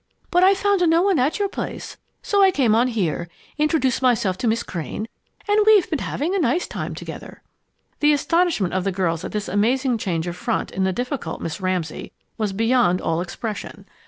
But I found no one at your place, so I came on here, introduced myself to Miss Crane, and we've been having a nice time together." The astonishment of the girls at this amazing change of front in the difficult Miss Ramsay was beyond all expression.